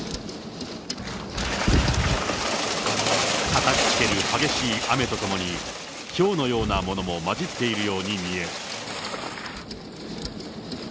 たたきつける激しい雨とともに、ひょうのようなものも交じっているように見える。